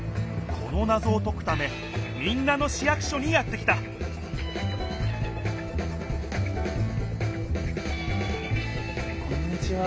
このなぞをとくため民奈野市役所にやって来たこんにちは。